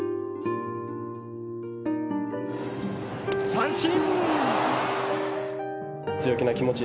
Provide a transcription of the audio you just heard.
三振！